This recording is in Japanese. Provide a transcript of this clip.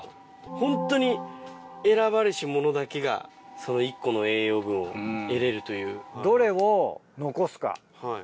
ホントに選ばれしものだけがその１個の栄養分を得れるという。